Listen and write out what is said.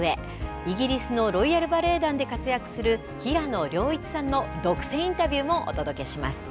イギリスのロイヤル・バレエ団で活躍する、平野亮一さんの独占インタビューもお届けします。